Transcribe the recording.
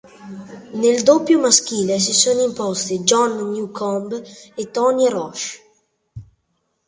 Nel doppio maschile si sono imposti John Newcombe e Tony Roche.